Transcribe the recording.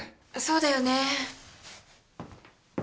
そうだよね。